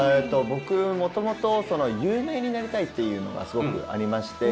僕もともと有名になりたいっていうのがすごくありまして。